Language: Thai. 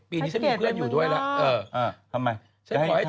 ปีนี้ฉันยังมีเพื่อนอยู่ด้วยละน้องเธออยู่ด้านข้าง